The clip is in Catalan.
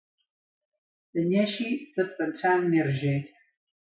Tenyeixi tot pensant en Hergé.